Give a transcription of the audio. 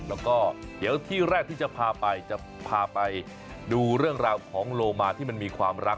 แล้วก็เดี๋ยวที่แรกที่จะพาไปจะพาไปดูเรื่องราวของโลมาที่มันมีความรัก